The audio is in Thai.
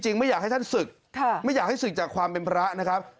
ไม่อยากให้ท่านศึกไม่อยากให้ศึกจากความเป็นพระนะครับ